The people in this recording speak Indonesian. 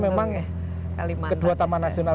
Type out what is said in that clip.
karena memang kedua taman nasional